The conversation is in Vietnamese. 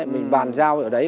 mình bàn giao ở đấy